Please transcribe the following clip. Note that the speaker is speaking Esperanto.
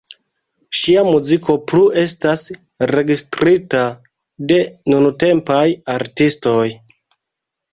Ŝia muziko plu estas registrita de nuntempaj artistoj.